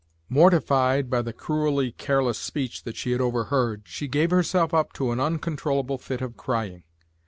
Mortified by the cruelly careless speech that she had overheard, she gave herself up to an uncontrollable fit of crying.